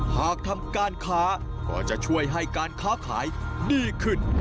หากทำการค้าก็จะช่วยให้การค้าขายดีขึ้น